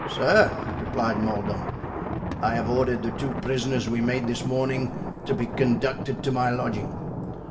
"Sir," replied Mordaunt, "I have ordered the two prisoners we made this morning to be conducted to my lodging."